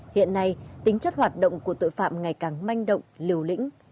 hiện nay tính chất hoạt động của tội phạm ngày càng manh động liều lĩnh